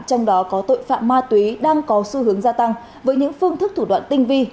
trong đó có tội phạm ma túy đang có xu hướng gia tăng với những phương thức thủ đoạn tinh vi